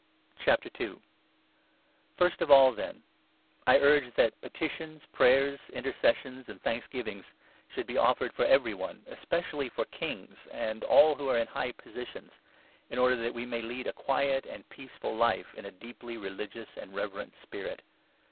II. — GENERAL DIRECTIONS ON CHURCH MATTERS. First of all, then, I urge that petitions, prayers, I Public intercessions, and thanksgivings should be offered for every one, especially for kings and all 2 who are in high positions, in order that we may lead a quiet and peaceful life in a deeply religious and reverent spirit.